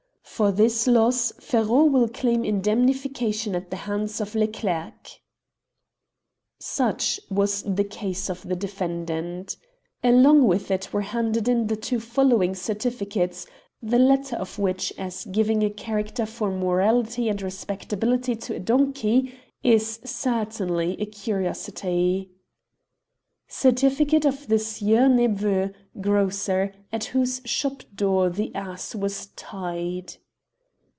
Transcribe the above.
For this loss Ferron will claim indemnification at the hands of Leclerc." Such was the case of the defendant Along with it were handed in the two following certificates, the latter of which, as giving a character for morality and respectability to a donkey, is certainly a curiosity. Certificate of the Sieur Nepveux, grocer, at whose shop door the ass was tied.